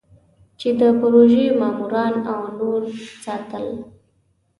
چې د پروژې ماموران او نور ساتل.